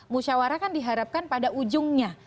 musyawarah kan diharapkan pada ujungnya